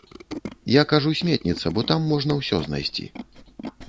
Я кажу сметніца, бо там можна ўсё знайсці.